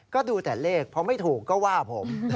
ก็ดูแต่เลขพอไม่ถูกก็ว่าผม